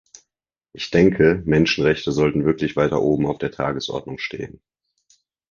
Ich denke, Menschenrechte sollten wirklich weiter oben auf der Tagesordnung stehen.